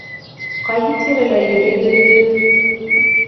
Ҡайһы тирәлә йөрөй Дөлдөл?